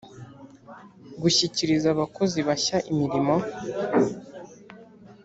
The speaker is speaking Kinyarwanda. Gushyikiriza abakozi bashya imirimo